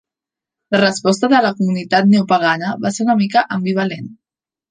La resposta de la comunitat neopagana va ser una mica ambivalent.